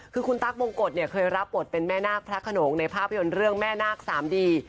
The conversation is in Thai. คือคุณตั๊กมงกฎเนี่ยเคยรับบทเป็นแม่นาคพระขนงในภาพยนตร์เรื่องแม่นาคสามดี